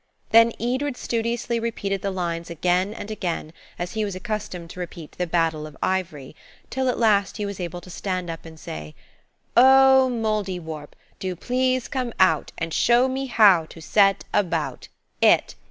Then Edred studiously repeated the lines again and again, as he was accustomed to repeat "The Battle of Ivry," till at last he was able to stand up and say– "'Oh, Mouldiwarp, do please come out And show me how to set about It.